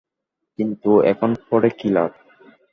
কিন্তু এখন পড়ে কী লাভ?